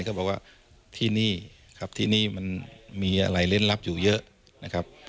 ก็บอกว่าที่นี่ครับที่นี่มันมีอะไรเล่นลับอยู่เยอะนะครับ